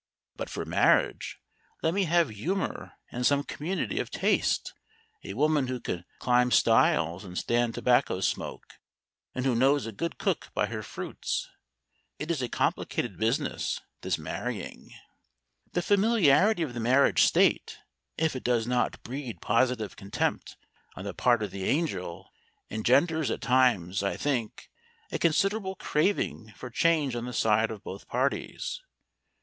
But for marriage let me have humour and some community of taste, a woman who can climb stiles and stand tobacco smoke, and who knows a good cook by her fruits.... It is a complicated business, this marrying. "The familiarity of the marriage state, if it does not breed positive contempt on the part of the angel, engenders at times, I think, a considerable craving for change on the side of both parties.